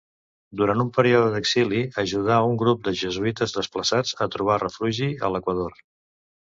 Durant un període d'exili, ajudà un grup de jesuïtes desplaçats a trobar refugi a l'Equador.